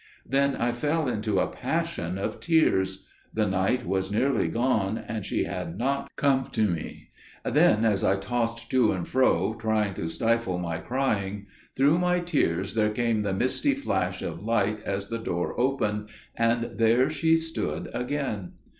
Then I fell into a passion of tears; the night was nearly gone, and she had not come to me. Then, as I tossed to and fro, trying to stifle my crying, through my tears there came the misty flash of light as the door opened, and there she stood again.